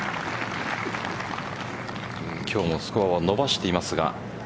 今日もスコアを伸ばしていますが。